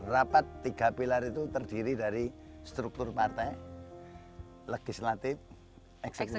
rapat tiga pilar itu terdiri dari struktur partai legislatif eksekutif